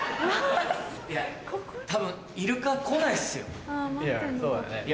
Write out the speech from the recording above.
多分イルカ来ないっすよ。